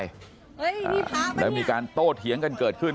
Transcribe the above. เอ้ยนี่พ้าปะเนี้ยแล้วมีการโตเถียงกันเกิดขึ้น